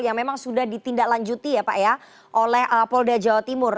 yang memang sudah ditindaklanjuti oleh polda jawa timur